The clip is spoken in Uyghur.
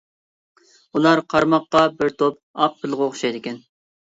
ئۇلار قارىماققا بىر توپ ئاق پىلغا ئوخشايدىكەن.